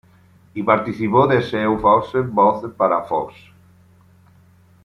Y participó de Se Eu Fosse Você, para Fox.